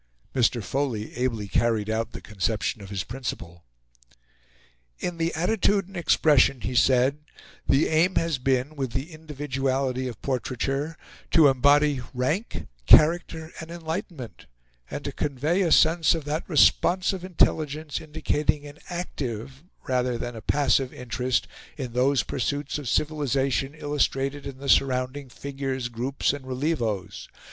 Mr. Foley ably carried out the conception of his principal. "In the attitude and expression," he said, "the aim has been, with the individuality of portraiture, to embody rank, character, and enlightenment, and to convey a sense of that responsive intelligence indicating an active, rather than a passive, interest in those pursuits of civilisation illustrated in the surrounding figures, groups, and relievos...